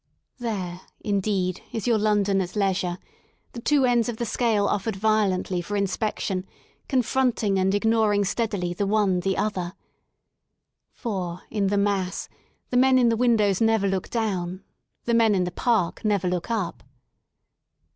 There, indeed, is your London at leisure ; the two ends of the scale offered violently for inspection, confronting and ignor ing steadily the one the other. For, in the mass, the men in the windows never look down ; the men in the park never look up.